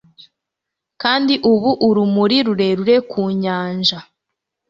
kandi ubu urumuri rurerure ku nyanja